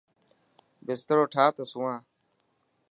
بسترو ٺاهه ته سوان.